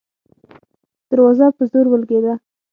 دروازه په زور ولګېده.